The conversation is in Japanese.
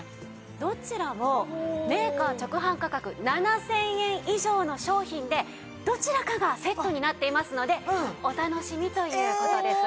どちらもメーカー直販価格７０００円以上の商品でどちらかがセットになっていますのでお楽しみという事です。